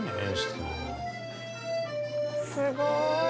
すごい！